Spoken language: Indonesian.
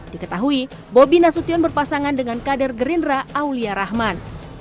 diketahui bobi nasution berpasangan dengan kader gerindra aulia rahman